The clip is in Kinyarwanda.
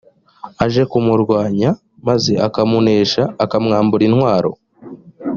aje kumurwanya maze akamunesha akamwambura intwaro